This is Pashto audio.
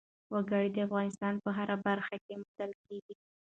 وګړي د افغانستان په هره برخه کې موندل کېږي.